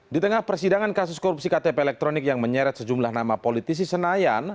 di tengah persidangan kasus korupsi ktp elektronik yang menyeret sejumlah nama politisi senayan